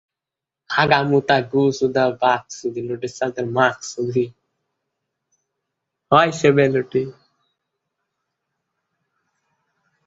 Finance, banking, শিল্পোৎপাদন, টেলিযোগাযোগ এবং সেবা খাতে বিশেষভাবে উন্নয়ন হচ্ছে।